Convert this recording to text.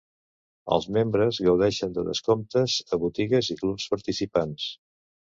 Els membres gaudeixen de descomptes a botigues i clubs participants.